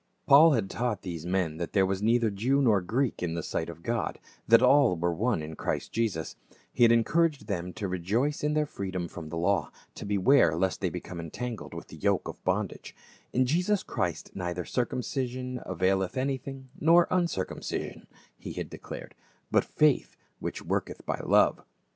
Paul had taught these men that there was neither Jew nor Greek in the sight of God, that all were one in Christ Jesus ; he had encouraged them to rejoice in their freedom from the law, to beware lest they become entangled with the yoke of bondage, " In Jesus Christ neither circum cision availeth anything nor uncircumcision," he had declared, "but faith which worketh by love."